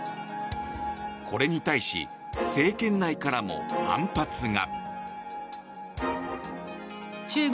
これに対し政権内からも反発が。